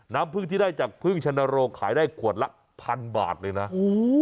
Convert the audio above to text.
น้ำพึ่งที่ได้จากพึ่งชนโรขายได้ขวดละพันบาทเลยนะ